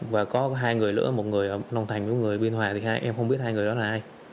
và có hai người nữa một người ở long thành và một người ở biên hòa thì em không biết hai người đó là ai